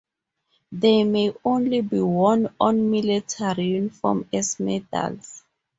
They may only be worn on military uniform as medals.